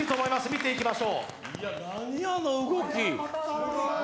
見ていきましょう。